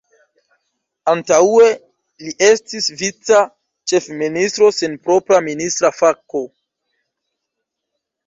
Antaŭe li estis vica ĉefministro sen propra ministra fako.